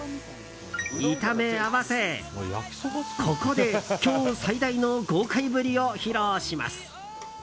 炒め合わせ、ここで今日最大の豪快ぶりを披露します。